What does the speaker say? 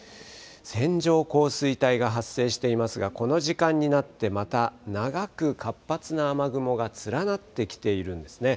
線状降水帯が発生していますが、この時間になってまた、長く活発な雨雲が連なってきているんですね。